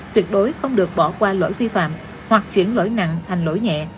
tuyệt đối không được bỏ qua lỗi vi phạm hoặc chuyển lỗi nặng thành lỗi nhẹ